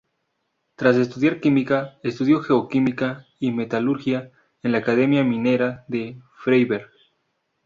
Tras estudiar química, estudió geoquímica y metalurgia en la academia minera de Freiberg.